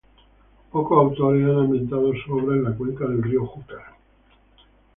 Pocos autores han ambientado sus obras en la cuenca del río Júcar.